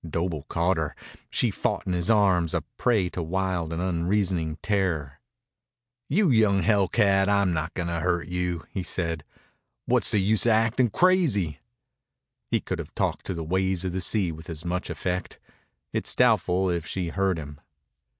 Doble caught her. She fought in his arms, a prey to wild and unreasoning terror. "You young hell cat, I'm not gonna hurt you," he said. "What's the use o' actin' crazy?" He could have talked to the waves of the sea with as much effect. It is doubtful if she heard him.